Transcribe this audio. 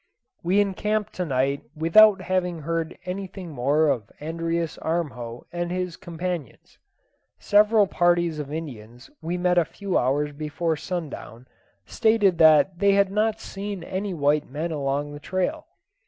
We encamped to night without having heard anything more of Andreas Armjo and his companions. Several parties of Indians we met a few hours before sundown stated that they had not seen any white men along the trail.